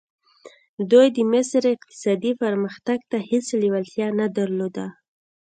دوی د مصر اقتصادي پرمختګ ته هېڅ لېوالتیا نه درلوده.